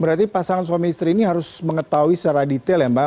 berarti pasangan suami istri ini harus mengetahui secara detail ya mbak